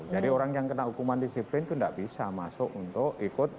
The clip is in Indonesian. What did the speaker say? jadi orang yang kena hukuman disiplin itu tidak bisa masuk untuk ikut